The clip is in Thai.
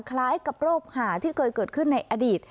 คล้ายกับโรคหาที่เคยเกิดขึ้นในอดีต